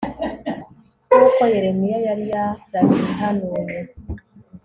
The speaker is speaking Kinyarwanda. nk'uko yeremiya yari yarabihanuye